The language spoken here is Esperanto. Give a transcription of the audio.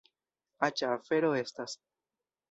Aĉa afero estas!